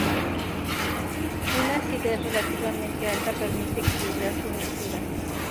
Una acidez relativamente alta permite equilibrar su dulzura.